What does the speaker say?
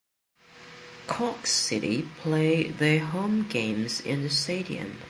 Cork City play their home games in the stadium.